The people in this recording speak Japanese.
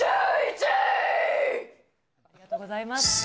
ありがとうございます。